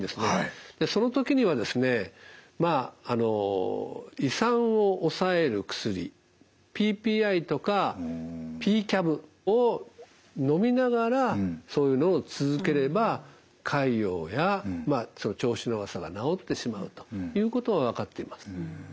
その時には胃酸を抑える薬ＰＰＩとかＰーＣＡＢをのみながらそういうのを続ければ潰瘍やその調子の悪さが治ってしまうということが分かっています。